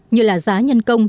như là giá nhân công